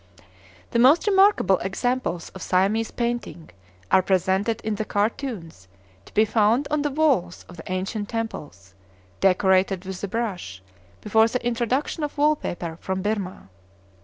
The most remarkable examples of Siamese painting are presented in the cartoons to be found on the walls of the ancient temples, decorated with the brush before the introduction of wall paper from Birmah.